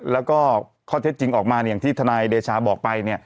แล้วก็ข้อเท็จจริงออกมาอย่างที่ทนายเดชาบอกไป